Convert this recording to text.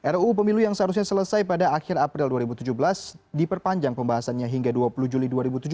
ruu pemilu yang seharusnya selesai pada akhir april dua ribu tujuh belas diperpanjang pembahasannya hingga dua puluh juli dua ribu tujuh belas